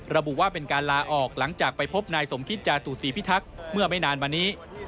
ระบุว่าเป็นการลาออกหลังจากไปพบนายสมคิตจาตุศรีพิทักษ์เมื่อไม่นานมานี้